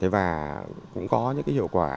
và cũng có những hiệu quả